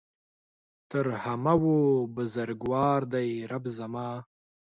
تر همه ؤ بزرګوار دی رب زما